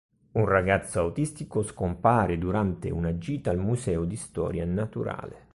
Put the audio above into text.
Un ragazzo autistico scompare durante una gita al Museo di Storia Naturale.